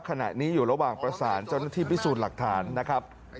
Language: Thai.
ขณะนี้อยู่ระหว่างประสานเจ้าหน้าที่พิสูจน์หลักฐานนะครับ